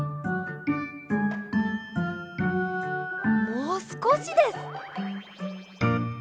もうすこしです。